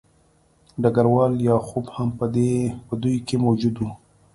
ډګروال لیاخوف هم په دوی کې موجود و